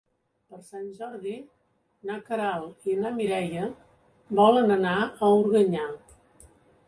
Per Sant Jordi na Queralt i na Mireia volen anar a Organyà.